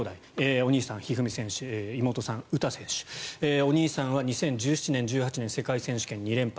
お兄さん、一二三選手妹さん、詩選手お兄さんは２０１７年、２０１８年世界選手権で２連覇。